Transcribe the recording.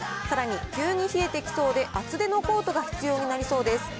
さらに急に冷えてきそうで、厚手のコートが必要になりそうです。